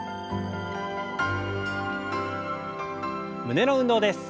胸の運動です。